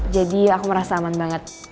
jadi aku merasa aman banget